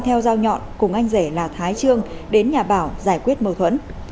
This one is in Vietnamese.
theo dao nhọn cùng anh rể là thái trương đến nhà bảo giải quyết mâu thuẫn